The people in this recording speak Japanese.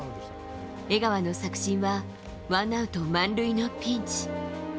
江川の作新はワンアウト満塁のピンチ。